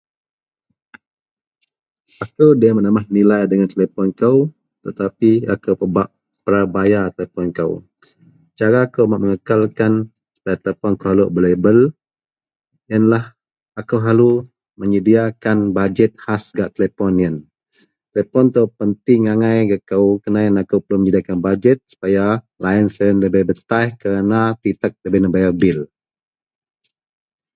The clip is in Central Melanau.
Akou debei menamah nilai dagen telepon kou tapi akou pebak pra bayar telepon kou cara kou bak mengekelkan telepon kou lok balebel iyen lah akou selalu menyediakan budget khas gak telepon iyen telepon ito penting angai gak kou. Kerana iyen akou perlu menyedia budget supaya line iten da betaih kerna titek da nebayar bil.